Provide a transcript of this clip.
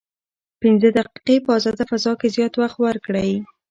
پنځه دقیقې په ازاده فضا کې زیات وخت ورکړئ.